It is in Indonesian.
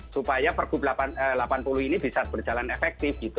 supaya pergub delapan puluh ini bisa berjalan efektif gitu